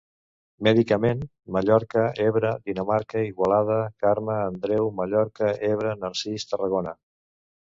Medicament: Mallorca, Ebre, Dinamarca, Igualada, Carme, Andreu, Mallorca, Ebre, Narcís, Tarragona.